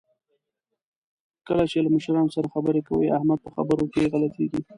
کله چې له مشرانو سره خبرې کوي، احمد په خبرو کې غلطېږي.